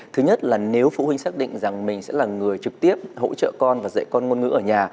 thứ nhất là nếu phụ huynh xác định rằng mình sẽ là người trực tiếp hỗ trợ con và dạy con ngôn ngữ ở nhà